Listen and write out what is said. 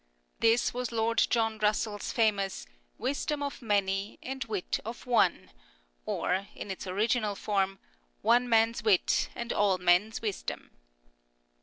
This was Lord John Russell's famous " Wisdom of many and wit of one," or, in its original form, " One man's wit and all men's wisdom."